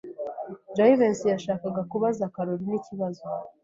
Jivency yashakaga kubaza Kalorina ikibazo.